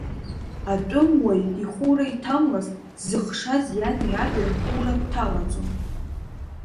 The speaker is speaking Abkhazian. Атәымуаҩ ихәура иҭамлаз, дзыхшаз иани иаби рхәура дҭалаӡом.